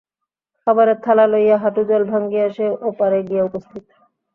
খাবারের থালা লইয়া হাঁটুজল ভাঙিয়া সে ওপারে গিয়া উপস্থিত।